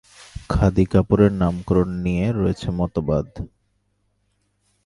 খাদি কাপড়ের নামকরণ নিয়ে রয়েছে মতবাদ।